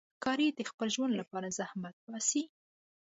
ښکاري د خپل ژوند لپاره زحمت باسي.